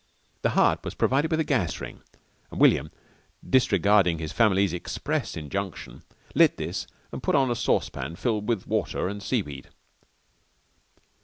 The hut was provided with a gas ring and William, disregarding his family's express injunction, lit this and put on a saucepan filled with water and seaweed.